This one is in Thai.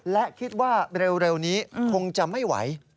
และคิดว่าเร็วนี้คงจะไม่ไหว